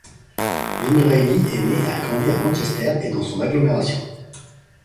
Vini Reilly est né et a grandi à Manchester et dans son agglomération.